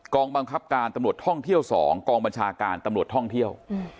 บังคับการตำรวจท่องเที่ยว๒กองบัญชาการตำรวจท่องเที่ยว